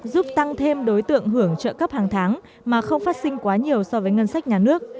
giúp tăng thêm đối tượng hưởng trợ cấp hàng tháng mà không phát sinh quá nhiều so với ngân sách nhà nước